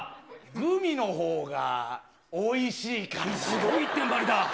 グミのほうがおいしいからだすごい一点張りだ。